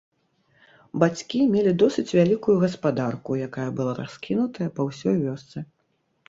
Бацькі мелі досыць вялікую гаспадарку, якая была раскінутая па ўсёй вёсцы.